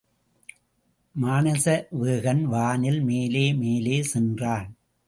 மானசவேகன் வானில் மேலே மேலே சென்றான்.